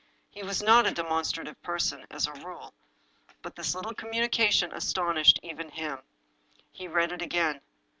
He was not a demonstrative person, as a rule, but this little communication astonished even him. He read it again.